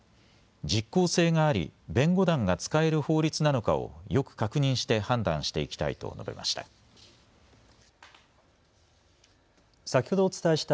実効性があり弁護団が使える法律なのかをよく確認して判断していきたいと述べました。